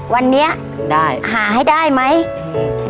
วันนี้ได้หาให้ได้ไหมอืม